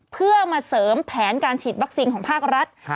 เพื่อมาเสริมแผนการฉีดวัคซีนของภาครัฐ